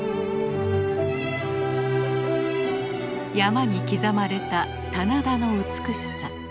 山に刻まれた棚田の美しさ。